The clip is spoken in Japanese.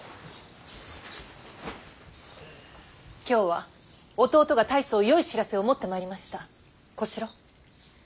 今日は弟が大層よい知らせを持ってまいりました。